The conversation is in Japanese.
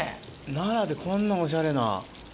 奈良でこんなおしゃれな。